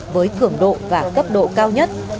với thưởng độ và cấp độ cao nhất